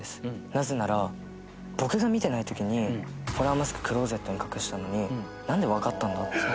なぜなら僕が見てない時にホラーマスククローゼットに隠したのになんでわかったんだって。